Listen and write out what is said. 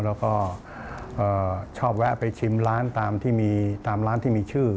แล้วก็ชอบแวะไปชิมร้านตามร้านที่มีชื่อ